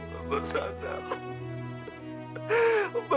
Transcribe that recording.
bapak bapak bapak